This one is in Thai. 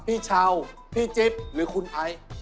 พี่เช้าพี่จิ๊บหรือคุณไอ